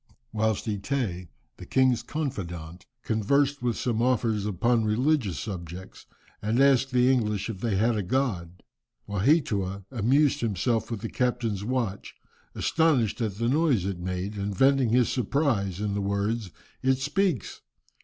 Whilst Eteé, the king's confidant, conversed with some officers upon religious subjects, and asked the English if they had a god, Waheatua amused himself with the captain's watch. Astonished at the noise it made, and venting his surprise in the words, "It speaks!"